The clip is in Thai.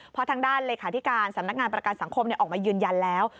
เพราะทางด้านลักษณะการณ์ประกันสังคมออกมายืนยันแล้ว